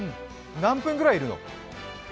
何分ぐらいいるの？